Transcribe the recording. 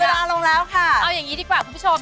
เวลาลงแล้วค่ะเอาอย่างนี้ดีกว่าคุณผู้ชม